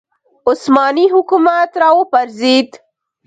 عثماني حکومت راوپرځېد